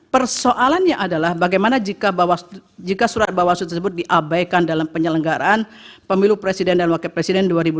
persoalannya adalah bagaimana jika surat bawasut tersebut diabaikan dalam penyelenggaraan pemilu presiden dan wakil presiden dua ribu dua puluh